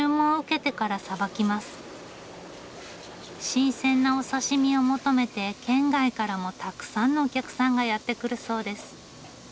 新鮮なお刺身を求めて県外からもたくさんのお客さんがやって来るそうです。